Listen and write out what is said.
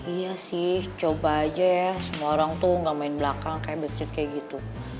iya sih coba aja ya semua orang tuh gak main belakang kayak bill street kayak gitu